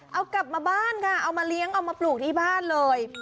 เอากลับมาบ้านค่ะเอามาเลี้ยงเอามาปลูกที่บ้านเลย